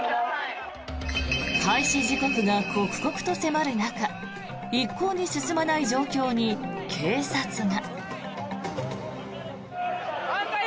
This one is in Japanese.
開始時刻が刻々と迫る中一向に進まない状況に警察が。